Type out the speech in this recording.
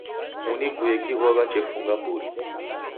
Muniguye kighow'a chefunga mburi.